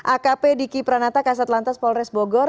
akp diki pranata kasat lantas polres bogor